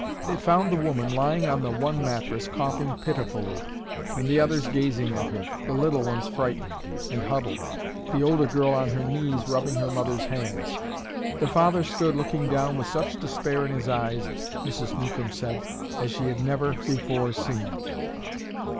They found the woman lying on the one mattress, coughing pitifully, and the others gazing at her, the little ones frightened, and huddled, the older girl on her knees rubbing her mother's hands. The father stood looking down with such despair in his eyes, Mrs. Newcomb said, as she had never before seen.